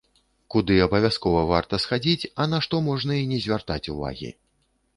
Куды абавязкова варта схадзіць, а на што можна і не звяртаць увагі?